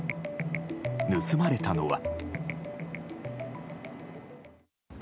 盗まれたのは。